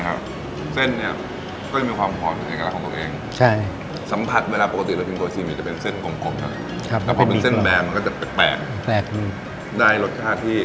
ครับเส้นนี่ก็จะมีความหอมในการนะของตัวเองใช่สัมผัสเวลาปกติ